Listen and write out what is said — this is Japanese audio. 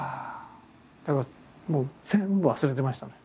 だからもう全部忘れてましたね。